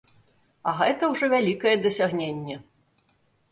А гэта ўжо вялікае дасягненне.